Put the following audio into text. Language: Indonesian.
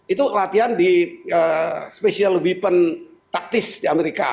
itu latihan di special weapon taktis di amerika